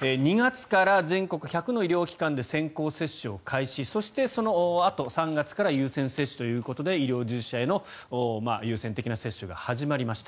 ２月から全国１００の医療機関で先行接種を開始そしてそのあと、３月から優先接種ということで医療従事者への優先的な接種が始まりました。